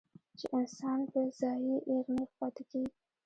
چې انسان پۀ ځائے اېغ نېغ پاتې کړي